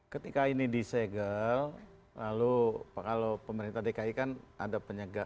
ketika ini disegel lalu kalau pemerintah dki kan ada penyegel